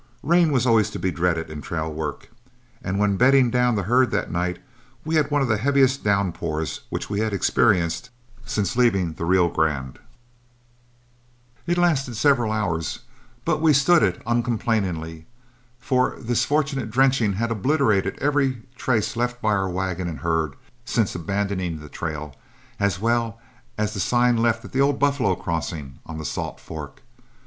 Rain was always to be dreaded in trail work, and when bedding down the herd that night, we had one of the heaviest downpours which we had experienced since leaving the Rio Grande. It lasted several hours, but we stood it uncomplainingly, for this fortunate drenching had obliterated every trace left by our wagon and herd since abandoning the trail, as well as the sign left at the old buffalo crossing on the Salt Fork.